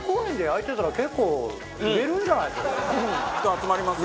人集まりますね。